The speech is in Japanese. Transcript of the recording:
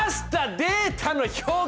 データの表現！